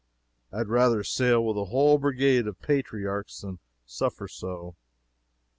I had rasher sail with a whole brigade of patriarchs than suffer so.